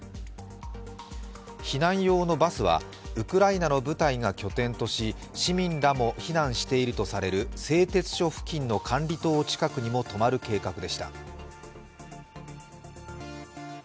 避難用のバスはウクライナの部隊が拠点とし市民らも避難しているとされる製鉄所付近の管理棟近くにも止まる計画でした。